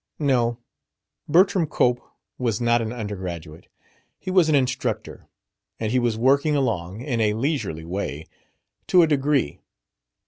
No, Bertram Cope was not an undergraduate. He was an instructor; and he was working along, in a leisurely way, to a degree.